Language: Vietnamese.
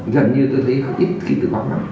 gần như tôi thấy ít kỳ tử vong lắm